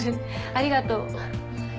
ありがとう。